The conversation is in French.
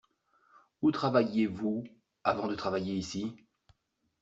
Où travailliez-vous avant de travailler ici ?